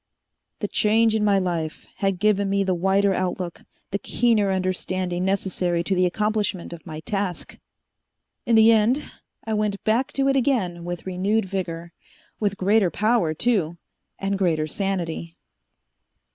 The change in my life had given me the wider outlook, the keener understanding necessary to the accomplishment of my task. In the end, I went back to it again with renewed vigor. With greater power, too, and greater sanity."